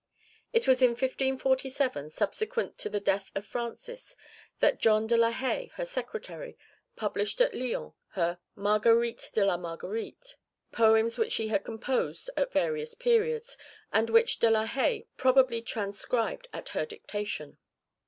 It was in 1547, subsequent to the death of Francis, that John de la Haye, her secretary, published at Lyons her Marguerites de la Marguerite, poems which she had composed at various periods, and which De la Haye probably transcribed at her dictation.